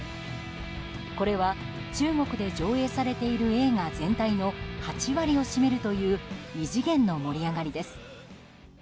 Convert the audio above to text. これは中国で上映されている映画全体の８割を占めるという異次元の盛り上がりです。